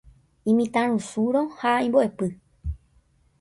Imitãrusúrõ ha imbo'epy.